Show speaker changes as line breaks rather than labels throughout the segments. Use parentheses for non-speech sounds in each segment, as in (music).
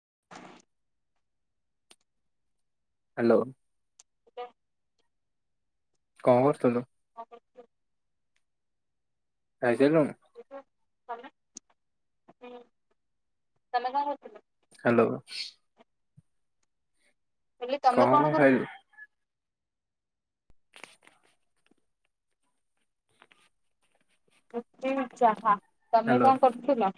(inaudible)
Hello. କଣ କରଥୁଲୁ?
(unintelligible)
(unintelligible) ତେନୁ
ହଁ ତମେ କଣ କରଥୁଲ?
ହ୍ୟାଲୋ।
ହେଲେ ତୋମେ କଣ କରୁଛ? ରୁଟି, ଚାହା। ତୋମେ କଣ କରଥୁଲ?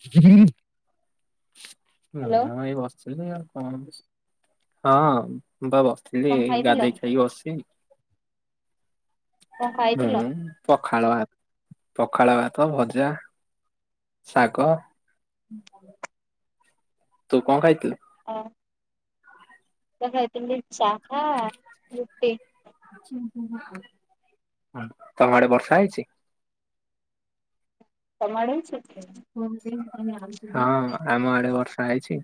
(unintelligible) (unintelligible) ନାଇଁ
ହ୍ୟାଲୋ
ଏଇ ବସିଥିଲି ଆଉ କଣ। ହଁ। ମୁଁ ବା ବସିଥିଲି
କଣ ଖାଇଥିଲ?
ଗାଧେଇ ଖାଇକି ବସିଛି।
କଣ ଖାଇଥିଲ?
ମୁଁ ପଖାଳ ଭା ପଖାଳ ଭାତ, ଭଜା, ଶାଗ, ତୁ କଣ ଖାଇଥିଲୁ?
ହଁ। ମୁଁ ତ ଖାଇଥିଲି ଚାହା, ରୁଟି।
ତୋମ ଆଡେ ବର୍ଷା ହେଇଛି?
ତୋମ ଆଡ଼େ?
(unintelligible) ହଁ ଆମ ଆଡେ ବର୍ଷା ହେଇଛି।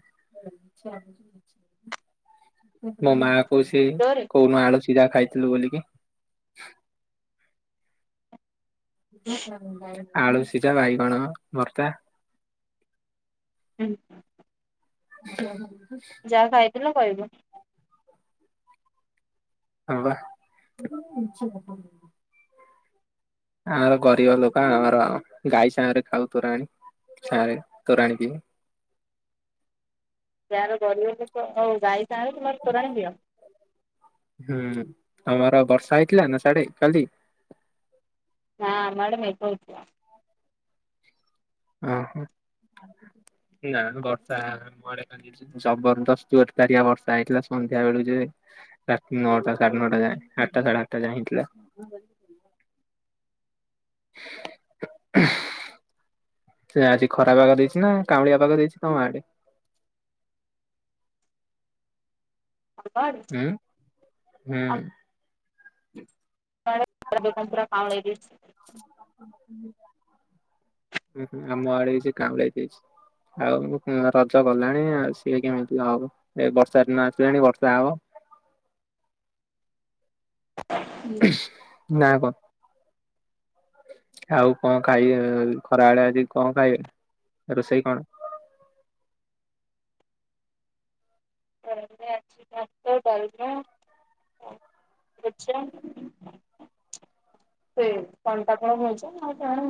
ମୋ ମା କହୁସି
ଜୋରେ
କୋଉ ଦିନ ଆଣୁଛୁ। କିରା ଖାଇଥିଲୁ ବୋଲିକି (unintelligible) ଆଳୁ ସିଝା ବାଇଗଣ ଭର୍ତ୍ତା
(unintelligible)
(unintelligible)
ଯାହା ଖାଇଥିଲ। ଶୋଇବ।
ହେଲା (inaudible) ଆମର ଗରିବ ଲୋକ ଆମର ଗାଈ ସାଙ୍ଗରେ ଖାଉ। ତୋରାଣ ସା ରେ ତୋରାଣ ବି
ଯାହାର ଗରିବ ଲୋକ ହଉ ଗାଈ ତା ହେଲେ ତୁମର ତୋରାଣି ପିଅ। (inaudible)
ଆମର ବର୍ଷା ହେଇଥିଲା ନା ସିଆଡେ କାଲି। (inaudible)
ହଁ ଆମ ଆଡ଼େ ମେଘ ହୋଇଥିଲା।
ଓହୋ (inaudible) ନା ବର୍ଷା ଆମ ଆଡ଼େ କାଲି ଜବରଦସ୍ତ ଜୋର ଦାରିଆ ବର୍ଷା ହେଇଥିଲା। ସନ୍ଧ୍ୟା ବେଳୁ ଯେ ରାତି ନଅଟା ସାଢେ ନଅଟା ଯାଏ ଆଠଟା ସାଢେ ଆଠଟା ଯାଏ ହେଇଥିଲା। (inaudible) (inaudible) ସେ ଆଜି ଖରା ପାଗ ଦେଇଛି ନା କାଉଁଳିଆ ପାାଗ ଦେଇଛି ତମ ଆଡେ।
ତମ ଆଡେ?
ଉଁ (inaudible) ହୁଁ। (inaudible)
ଆମ ଆଡ଼େ ପୁରା କାମ ଲାଗି କାଉଁଳେଇ ଦେଇଚି। (inaudible)
(inaudible) ଉଁ ହୁଁ ଆମ ଆଡେ ସେ କାମ ଲାଗି ଯାଇଛି। ଆଉ ରଜ ଗଲାଣି ଆଉ ସିଏ କେମିତି ହବ ଏ ବର୍ଷା ଦିନ ଆସିଲାଣି ବର୍ଷା ହବ। (inaudible) ନା କ ଆଉ କଣ ଖାଇ ଖରାବେଳେ ଆଜି କଣ ଖାଇବେ ରୋଷେଇ କଣ?
ଖରା ବେଳେ ଆଜି ଭାତ ଡାଲମା (inaudible) ଭଜା (inaudible) ତମର ଆଜି କଣ?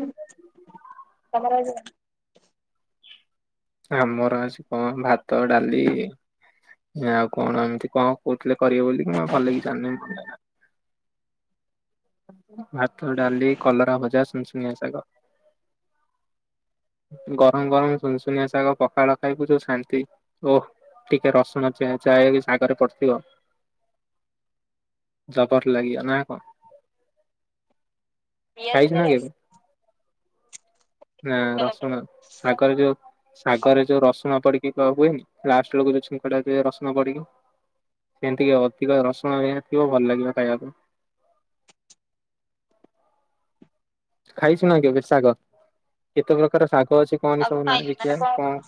ଆମର ଆଜି କଣ ଭାତ ଡାଲି ଆଉ କଣ ଏମିତି କଣ କହୁଥିଲେ କରିବେ ବୋଲି ମୁ ଆଉ କଲିନି ଜାଣିନି। (inaudible) ଭାତ ଡାଲି କଲରା ଭଜା ସୁନସୁନିଆ ଶାଗ (inaudible) ଗରମ ଗରମ ସୁନସୁନିଆ ଶାଗ ପଖାଳଖାଇବୁ ଯୋଉ ଶାନ୍ତି ଓହ ଟିକେ ରସୁଣ ଛେଚା ଶାଗରେ ପଡିଥିବ। (inaudible) ଜବର ଲାଗିବ ନା କଣ?
ପିଆଜ
ଖାଇଛୁ ନା
ଟା
କେବେ?
ରସ (inaudible)
ନା ରସୁଣ ଶାଗରେ ଯୋଉ ଶାଗରେ ଯୋଉ ର ରସୁଣ ପଡି କହୁଏନି ଲାଷ୍ଟ ବେଳକୁ ଯୋଉ ଛୁଙ୍କଟା ଦିଅ ରସୁଣ ପଡିକି। ସେମତିଟିକେ ଅଧିକ ରସୁଣ ହେଇଥିବ ଭଲ ଲାଗିବ ଖାଇବାକୁ। (inaudible) ଖାଇଚୁନା କେବେ ଶାଗ କେତେ ପ୍ରକାର ଶା ଗ ଅଛି କହନି
ଆଗ
ସବୁ ନାଁ
ଖାଇନି ମାନେ
ଦେଖିଆ କଣ?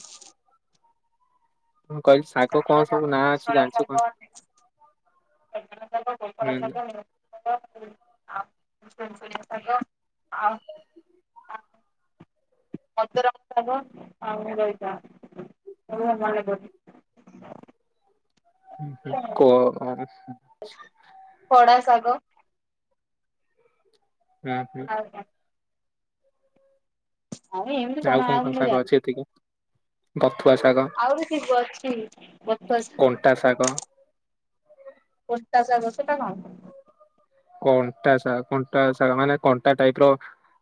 କହିଲି ଶାଗ କଣ
ସୁଜୁନା
ସବୁ
ଶାଗ
ନାଁ ଅଛି
କୋଶଳା
ଜାଣିଛୁ କହନି?
ଶାଗ ଅଛି। (inaudible) ସୁଜୁନା ଶାଗ
ହୁଁ
କୋଶଳା ଶାଗ
ହୁଁ
ଆ ଆ ସୁନସୁନିଆ ଶାଗ ଆଉ ମଦୁରମ ଶାଗ ଆଉ ଲଳିତା ଏତିକି ମନେ ଅଛି। (inaudible)
ଉଁ ହୁଁ କ କ
(inaudible) ଖଡା ସାାଗ
ହୁଁ ହୁଁ।
ଆଉ ଆଉ ଏମତି କଣ ଆଉ ମୁ ଜାଣିନି
ବଥୁଆ ଶାଗ,
(inaudible) ଆହୁରି ଥିବ ଅଛି ବଥୁଆ
କଣ୍ଟା ଶାଗ,
ଶା ପଚା ଶାଗ ସେଟା କଣ?
କଣ୍ଟା ଶା କଣ୍ଟା ଶାଗ ମାନେ କଣ୍ଟା ଟାଇପର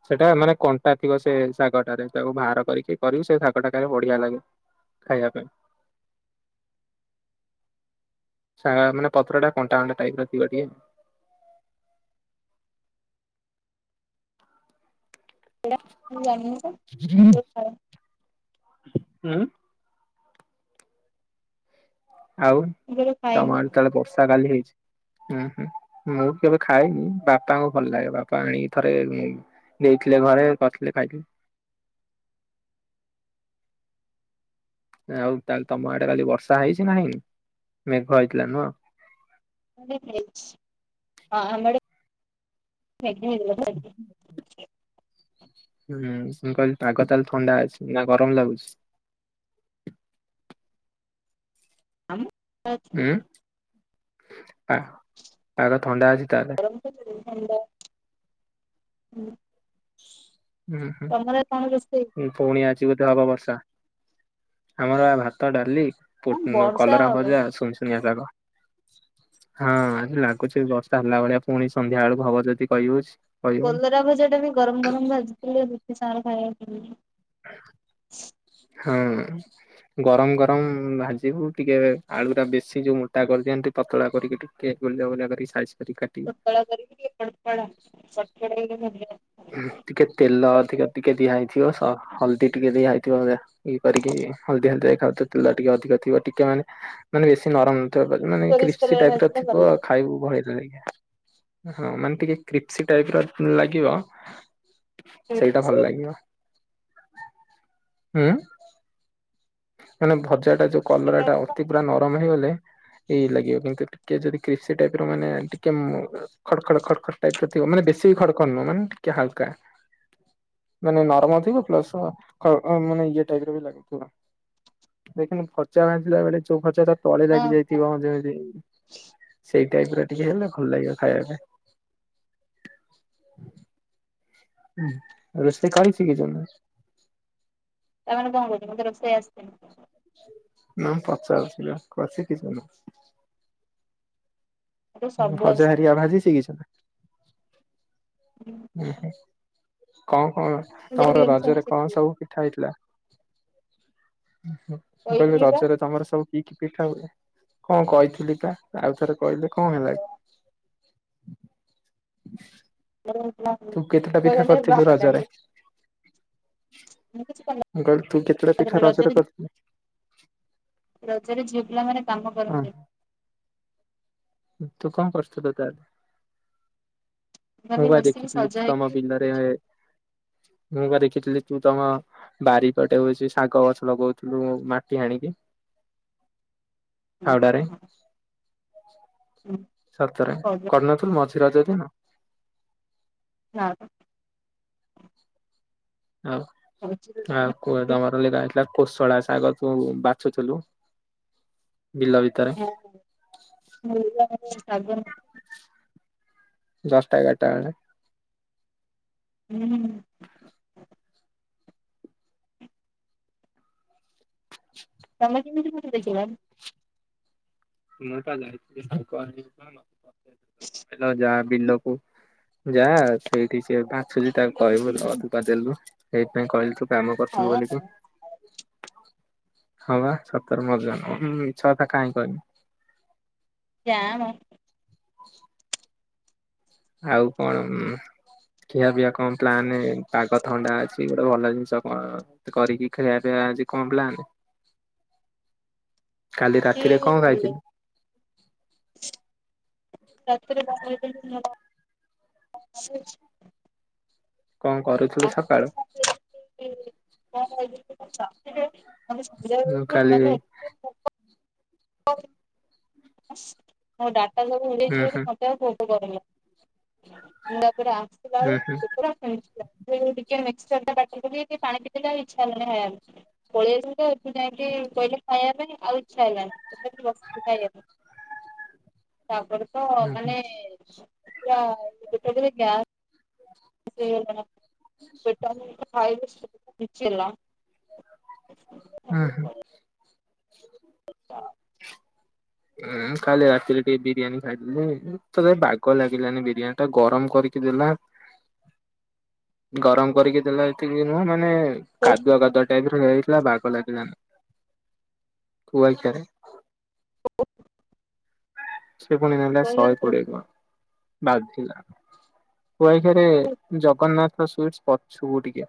ସେଟା ମାନେ କଣ୍ଟା ଥିବ। ସେ ଶାଗଟାରେ ତାକୁ ବାହାର କରିକି କରିବ। ସେ ଶାଗ ଟା ଖାଇଲେ ବଢିଆ ଲାଗେ ଖାଇବା ପାଇଁ। (inaudible) ଶାଗ ମାନେ ପତ୍ର ଟା କଣ୍ଟା କଣ୍ଟା ଟାଇପର ଥିବ ଟିକେ। (inaudible)
ସେଟାମୁଁ ଜାନନୀତ ହେଇଥିବ।
ଉଁ। ଆଉ
କେବେ
ତମ
ଖାଇନି
ଆଡେ ତାହେଲେ ବର୍ଷା କାଲି ହେଇଚି। ହୁଁ ହୁଁ ମୁଁ କେବେ ଖାଏନି ବାପାଙ୍କୁ ଭଲ ଲାଗେ ବାପା ଆଣିକି ଥରେ ଉମ ବୋଉ ଦେଇଥିଲେ ଘରେ କରିଥିଲେ ଖାଇଥିଲି। ଆଉ ତାହଲେ ତମ ଆଡେ କାଲି ବର୍ଷା ହେଇଛି ନାହିଁ ମେଘ ହେଇଥିଲା ନୁହଁ।
ଆମ ଆଡେ ହେଇଚି ହଁ ଆମ ଆଡେ ମେଘ ହେଇଥିଲା ଭଲକି।
ହୁଁ ମୁଁ କହିଲି ପାଗ ତାହେଲେ ଥଣ୍ଡା ଅଛି ନା ଗରମ ଲାଗୁଚି।
ଆମ ଅଛି।
ହୁଁ ଆ ପାଗ ଥଣ୍ଡା ଅଛି ତାହେଲେ।
ହାଲୋ ହୁଁ।
ହୁ ସ
ରୋଷେଇ?
ଉହୁଁ ପୁଣି ଆଜି ବୋଧେ ହବ ବର୍ଷା। ଆମର ଭାତ, ଡାଲି ପୋଟ
ହଁ
ନ
ବର୍ଷା
କଲରା
ହବ
ଭଜା, ସୁନସୁନିଆ ଶାଗ। ହଁ ଆଜି ଲାଗୁଛି ବର୍ଷା ହେଲା ଭଳିଆ ପୁଣି ସନ୍ଧ୍ୟା ବେଳକୁ ହବ ଯଦି କହିିଉଚ।
କଲରା ଭଜା ଟା ବି ଗରମ ଗରମ ଭାଜିଥିଲେ (unintelligible) (unintelligible)
ହଁ ଗରମ ଗରମ ଭାଜିବୁ ଟିକେ ଆଳୁ ଟା ବେଶି ଯୋଉ ମୋଟା କରିଦିଅନ୍ତି ପତଳା କରିକି ଟିକେ ଗୋଲ୍ ଗୋଲ୍ କରିକି ସାଇ
ପତଳା କରିକି ଟିକିଏ (unintelligible) (unintelligible)
ଟିକେ ତେଲ ଅଧିକ ଦିଆ ହେଇଥିବ ସ ହଳଦୀ ଟିକେ ଦିଆ ହେଇଥିବ। ଇଏ କରିକି ହଳଦିଆ ହଳଦିଆ ଆଉ ତେଲ ଟିକେ ଅଧିକ ଥିବ ଟିକେ ମାନେ ମାନେ ବେଶୀ ନରମ ତ ମାନେ
ସୋରିଷ
କ୍ରିସ୍ପି
ତେଲରେ
ଟାଇପ ର
ଭାଜିଲେ ଭଲ
ଥିବ ଆଉ
ଲାଗେ।
ଖାଇବୁ (inaudible) ହଁ ମାନେ ଟିକେ କ୍ରିପ୍ସି ଟାଇପ ର ଲାଗିବ। (unintelligible) ସେଇଟା ଭଲ ଲାଗିବ। ହୁଁ। ମାନେ ଭଜା ଟା ଯୋଉ କଲରା ଟା ଅତି ପୁରା ନରମ ହେଇଗଲେ ଏ ଏଇ ଲାଗିବ କିନ୍ତୁ ଟିକେ ଯଦି କ୍ରିସପି ଟାଇପ ର ମାନେ ଟିକେ ଖଡ଼ ଖଡ ଖଡ ଖଡ ଟାଇପ ର ଥିବ ମାନେ ବେଶୀ ବି ଖଡ଼ ଖଡ଼ ନୁହଁ ମାନେ ଟିକେ ହାଲକା। ମାନେ ନରମ ଥିବ ପ୍ଲସ (inaudible) ମାନେ ଇଏ ର ବି ଲାଗେ ହେଲା। ଦେଖିନୁ ଭଜା ଭାଜିଲା ବେଳେ ଯୋଉ ଭଜାଟା ତଳେ
ହଁ
ଲାଗି
ହଁ
ଯାଇଥିବ ଯେମିତି-ଇ ସେଇ ଟାଇପ୍ ର ଟିକେ ହେଲେ ଭଲ ଲାଗିବ ଖାଇବା ପାଇଁ। (unintelligible) ରୋଷେଇ କରିଶିଖିଛ ନା?
ତା ମାନେ କଣ କହୁଚ ମତେ ରୋଷେଇ ଆସିନି।
ନା ପଚାରୁଥିଲିପା କରି ସିକିଚ ନା।?
ମତେ ସବୁ
ଭଜା
ଆସେ।
ହେରିକା ଭାଜି ଶିଖିଚ ନା? ଉଁ ହୁଁ। କଣ କଣ
ଯାହାବି
ତମର
ସବୁ
ରଜରେ କଣ
ଶିଖିବି
ସବୁ ପିଠା ହେଇଥିଲା? ମୁଁ କହିଲି
କହିଥିଲି ବା
ରଜରେ ତମର ସବୁ କି କି ପିଠା ହୁଏ କଣ କହିଥିଲି ପା ଆଉ ଥରେ କହିଲେ କଣ ହେଲା। (inaudible) ତୁ କେତେଟା ପିଠା କରିଥିଲୁ
ଭାତ ଡାଲି
ରଜରେ,
ମୁଁ କିଛି
ମୁଁ କହିଲି ତୁ କେତେଟା ପିଠା ରଜରେ କରିଥିଲୁ।
ରଜରେ ଝିଅ ପିଲାମାନେ କାମ
ହଁ
କରନ୍ତିନି।
ତୁ କଣ କରୁଥୁଲୁ ତାହଲେ? ମୁଁ
ଖାଲି
ପା
ବସିକି
ଦେଖିଥିଲି
ସଜ
ତମ
ହେଇକି
ପିଣ୍ଡାରେ
ବୁଲିକି
ମୁଁ ପା ଦେଖିଥିଲି, ତୁ ତମ ବାରିପଟେ ହଉଛି ଶାଗ ଗଛ ଲଗଉଥିଲୁ ମାଟି ହାଣିକି
ତମେ
ଫାଉଡ଼ାରେ। ସରତରେ କରୁନଥିଲୁ ମଝି ରଜଦିନ।
ନାଁ ତ।
ଆଉ ଆଉ କୁହ ତମର ଲଗାହେଇଥିଲା କୋଶଳା ସା ଶାଗ ତୁ ବାଛୁଥୁଲୁ।
(inaudible) (inaudible)
ଦଶଟା ଏଗାରଟା ବେଳେ
ହୁଁ। ତମେ କେମିତି କଣ ଦେଖିଲ?
ମୁଟା ଯାଇଥିଲି ଶାଗ ଆଣିବାକୁ ତାର। ଯା ବିଲକୁ ଯା ସେଇଠି ସେ ବାଛୁଛି ତାକୁ କହିବୁ ଅଧକା ଦେଲୁ। ସେଇଥି ପାଇଁ କହିଲୁ ତୁ। କାମ କରୁଥିଲୁ
ହଁ
ବୋଲି ତୁ। ହଁବା ସତରେ ମଜା ନୁହଁ ମିଛ କଥା କାହିଁ କହିମି।
ଯାମ।
(inaudible) ଆଉ କଣ ଖିଆ ପିଇଆ କଣ ପ୍ଲାନ ପାଗ ଥଣ୍ଡା ଅଛି ଗୋଟେ ଭଲ ଜିନିଷ କଣ କରିକି ଖିଆ ପିଇଆ ଆଛି କଣ ପ୍ଲାନ? କାଲି ରାତିରେ କଣ ଖାଇଥିଲି।
ରାତିରେ (unintelligible) (inaudible)
କଣ କରୁଥିଲୁ ସକାଳୁ ମୁଁ କାଲି ହୁଁ
(unintelligible) (unintelligible) (inaudible)
ହୁଁ
(unintelligible) (inaudible) ମୁ ତାପରେ ଆସିଲା
ହୁଁ ହୁଁ
ବେଣି ଟିକେ କୁିକ ଟିକ ପାଣି ପିଇଲେ ଆଉ ଇଛା ହେଲାଣି ଖାଇବା ପାଇଁ ପଳେଇ ଆସ ଏଠୁ ଯାଇକି କହିଲେ ଖାଇବା ପାଇଁ ଆଉ ଇଛା ହେଲାଣି ବସ ଖାଇବା ପାଇଁ ତାପରେ ତ
ହୁଁ
ମାନେ। ଆ ସେ (unintelligible) (unintelligible)
ହଁ ହଁ।
ଆଛା।
ହଁ କାଲି ରାତିରେ ଟିକେ ବିରିୟାନୀ ଖାଇଦେଲେ ତ ବାଗ ଲାଗିଲାନି ବିରିୟାନୀ ଟା ଗରମ କରିକି ଦେଲା ଗରମ କରିକି ଦେଲା ଏତିକି ନୁହଁ ମାନେ କାଦୁଆ କାଦୁଆ ଏଇ ଥରକ ହେଇଥିଲା ବାଗ ଲାଗିଲାନି ଥୁଆ ହେଇଚି (unintelligible) ରେ।
ଉଫ।
ସେ ପୁଣି ନେଲା ଶହେ କୋଡିଏ ଟଙ୍କା। ବାଧିଲା। ଗୁଆ ଘିଅରେ ଜଗନ୍ନାଥ। ଉ ସୁଇଟ୍ସ ପଛୁକୁ ଟିକେ।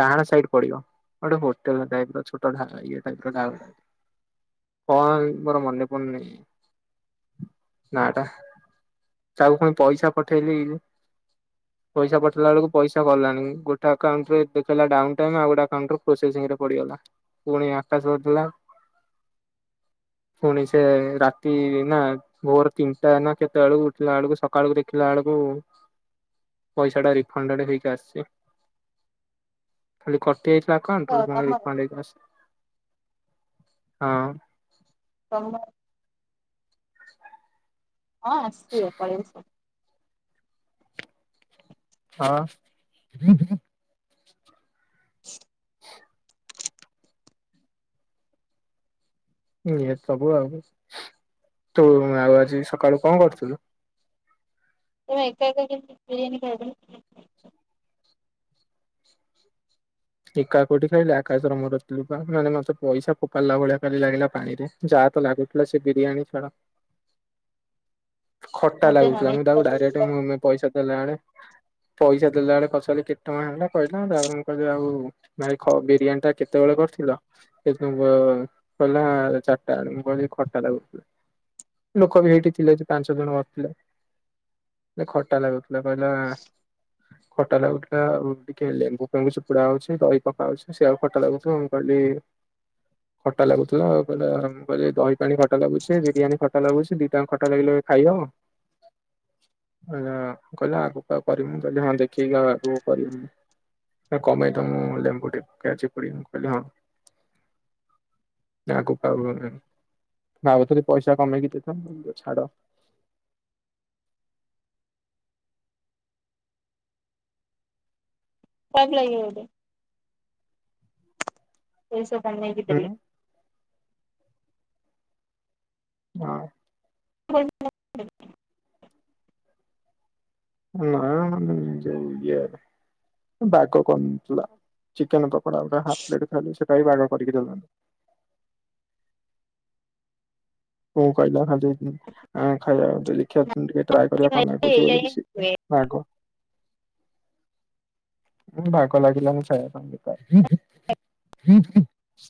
ଡାହାଣ ସାଇଡ ପଡିବ। ଗୋଟେ ହୋଟେଲ ଟାଇପର ଛୋଟ ଢା ଇଏ ଟାଇପର ଗାଉଁଲି ଟାଇପ। କଣ ମୋର ମନେ ପଡୁନି ନାଁଟା ତାକୁ ପୁଣି ପଇସା ପଠେଇଲି ପଇସା ପଠେଇଲା ବେଳକୁ ପଇସା ଗଲାନି, ଗୋଟେ ଆକାଉଣ୍ଟରେ ଦେଖେଇଲା ଡାଉନଟାଇମ ଆଉ ଗୋଟା ଆକାଉଣ୍ଟ ପ୍ରୋସେସିଂରେ ପଡିଗଲା। ପୁଣି ଆକାଶ ଥିଲା ପୁଣି ସେ ରାତି ନା ଭୋର ତିନଟା ନା କେତେ ବେଳକୁ ଉଠିଲା ବେଳକୁ ସକାଳକୁ ଦେଖିଲା ବେଳକୁ ପଇସାଟା ରିଫଣ୍ଡେଡ ହେଇକି ଆସଛି। ଖାଲି କ (unintelligible) ଆକାଉଣ୍ଟରୁ ପୁଣି
ତମର
ରିଫଣ୍ଡ ହେଇକି ଆସି ହଁ।
ତମର।
(unintelligible)
ହଁ ଆସିବ, ପଳେଇ ଆସ।
ହ।
ହ (unintelligible)
ହ (unintelligible) ଇଏ ସବୁ ଆଉ। ତୁ ଆଉ ଆଜି ସକାଳୁ କଣ କରୁଥିଲୁ?
ତମେ ଏକା ଏକା କେମିତି ବିରୀୟାନି ଖାଇଦେଲ?
ଏକା କୋଉଠି ଖାଇଲି ଆକାଶର ମୋର ଥିଲୁ ପା ମାନେ ମତେ ପଇସା ଫୋପାଡିଲା ଭଳିଆ ଖାଲି ଲାଗିଲା ପାଣି ରେ ଯାହା ତ ଲାଗୁଥିଲା ସେ ବିରିୟାନୀ ଛାଡ ଖଟା
ମତେ
ଲାଗୁଥିଲା,
ନନେଇ
ମୁଁ ତାକୁ
ଖାଇଲେ
ଡାଇରେକ୍ଟ
ଏଇଆ
ମୁହେଁ ମୁହେଁ ପଇସା ଦେଲା ବେଳେ ପଇସା ଦେଲା ବେଳେ ପଚାରିଲି କେତେ ଟଙ୍କା ହେଲା। କହିଲା, ତା ପରେ ମୁଁ କହିଲି ଆଉ ଭାଇ ଖ ବିରିୟାନୀ ଟା କେତେବେଳେ କରିଥିଲ। ସେ କଁ ଅଁ କହିଲା ଚାରିଟା ବେଳେ ମୁଁ କଇଲି ଖଟା ଲାଗୁଥିଲା। ଲୋକ ବି ହେଇଠି ଥିଲେ। ଯେ ପାଞ୍ଚ ଜଣ ବସିଥିଲେ ମୁଁ କଇଲି ଖଟା ଲାଗୁଥିଲା। ଆ ପିଲା କହିଲା ଖଟା ଲାଗୁଥିଲା ଆଉ ଟିକେ ଲେମ୍ବୁ ଫେଙ୍ଗୁ ଚୁପୁଡା ହଉଚି। ସେ ଦହି ପକାଉଚି ସେ ଆଉ ଖଟା ଲାଗୁଚି ମୁଁ କହିଲି ଖଟା ଲାଗୁଥିଲା ଆଉ କହିଲା ମୁଁ କହିଲି ଦହି ପାଣି ଖଟା ଲାଗୁଛି ବିରିୟାନୀ ଖଟା ଲାଗୁଛି ଦିଟାଙ୍କ ଖଟା ଲାଗିଲେ ଖାଇହବ ଆଁଆଁ କହିଲା ଆଗକୁ ଆଉ କରିବିନି ମୁଁ କହିଲି ହଁ ଦେଖେଇକି ଆଉ ଆଗକୁ କରିବନି ନା କମେଇ ତ ମୁଁ ଲେମ୍ବୁ ଟେ ପକେଇଆ ଚିପୁଡି ମୁଁ କହିଲି ହଁ ଆଗୁ କୁ ଆଉ ଭାବୁଥିଲି ପଇସା କମେଇକି ଦେବି। ମୁଁ ଦେ ଛାଡ।
ଖରାପ ଲାଗିବ ଗୋଟେ। ଏସବ ତା ନେଇକି
ହୁଁ
ଦେଲେ
ହଁ।
(unintelligible)
ନାଇଁମ ଜଁ ଯୋଉ ଇଏ ବାଗ କରିନଥିଲା ଚିକେନ ପକୋଡା ଗୋଟେ ହାପ୍ ପ୍ଲେଟ୍ ଖାଇଲୁ ସେଟା ବି ବାଗ କରିକି ଦେଲନି ବୋଉ କହିଲା ଖାଇଦେ ଆଁ ଖାଇବା ଦେଖିବା ଉଁ ଟିକେ ଟ୍ରାଏ କରିବା କଣ ଲାଗୁଚି
ଏଇଆ
ବୋଲିକି
ହିଁ
ସିଏ କୋଉ
ହୁଏ
ବାଗ ହଁ ଭାଗ ଲାଗିଲଣି ଚା ସାଙ୍ଗ (inaudible) (inaudible)